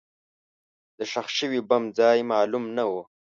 د ښخ شوي بم ځای معلوم نه و.